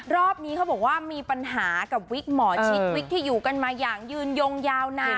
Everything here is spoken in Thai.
รอบนี้เขาบอกว่ามีปัญหากับวิกหมอชิดวิกที่อยู่กันมาอย่างยืนยงยาวนาน